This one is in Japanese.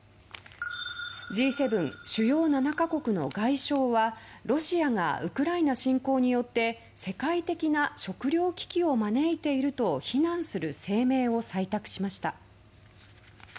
Ｇ７・主要７か国の外相はロシアがウクライナ侵攻によって世界的な食料危機を招いていると非難する声明を採択しました。